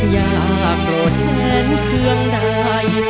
อย่าโกรธแค้นเครื่องใด